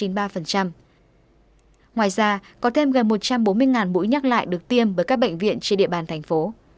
ngoài ra có thêm gần một trăm bốn mươi mũi nhắc lại được tiêm bởi các bệnh viện trên địa bàn thành phố